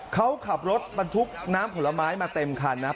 เขาขับรถบรรทุกน้ำผลไม้มาเต็มคันนะครับ